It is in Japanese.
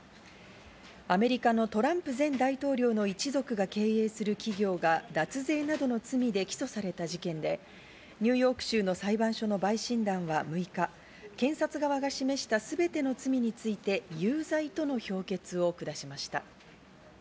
アメリカのトランプ前大統領の一族が経営する企業が脱税などの罪で起訴された事件で、ニューヨーク州の裁判所の陪審団は６日、検察側が示したすべての罪について、有罪との評決を下しました。